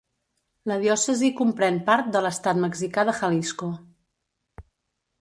La diòcesi comprèn part de l'estat mexicà de Jalisco.